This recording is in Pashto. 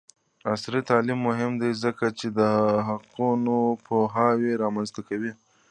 عصري تعلیم مهم دی ځکه چې د حقونو پوهاوی رامنځته کوي.